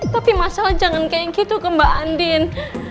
tapi mas al jangan kayak gitu ke mbak andin